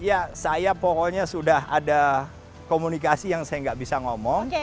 ya saya pokoknya sudah ada komunikasi yang saya nggak bisa ngomong